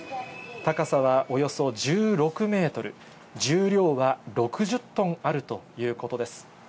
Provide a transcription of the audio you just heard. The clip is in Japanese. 高さはおよそ１６メートル、重量は６０トンあるということです。